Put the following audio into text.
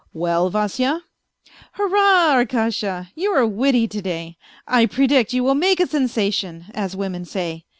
" Well, Vasya? "" Hurrah, Arkasha ! You are witty to day. I predict you will make a sensation, as women say.